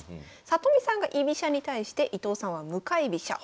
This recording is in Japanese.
里見さんが居飛車に対して伊藤さんは向かい飛車。